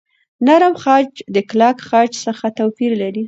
نرم خج د کلک خج څخه توپیر لري.